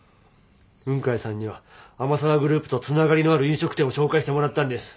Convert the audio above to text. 雲海さんには天沢グループとつながりのある飲食店を紹介してもらったんです。